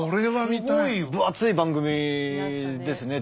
分厚い番組ですね。